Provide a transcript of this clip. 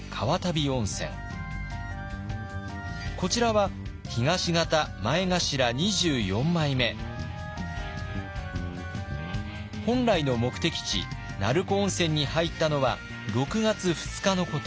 こちらは本来の目的地成子温泉に入ったのは６月２日のこと。